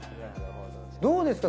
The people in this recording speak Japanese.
どうですか？